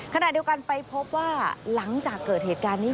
ขณะเดียวกันไปพบว่าหลังจากเกิดเหตุการณ์นี้